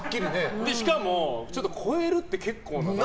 しかも、ちょっと超えるって結構な。